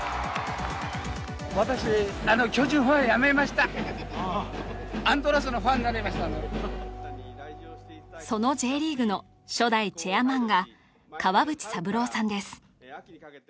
私そのＪリーグの初代チェアマンが川淵三郎さんです